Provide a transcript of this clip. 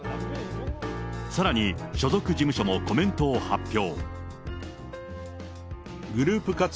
さらに、所属事務所もコメントを発表。